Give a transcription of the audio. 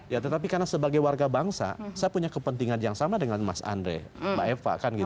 ya tetapi karena sebagai warga bangsa saya punya kepentingan yang sama dengan mas andre mbak eva kan gitu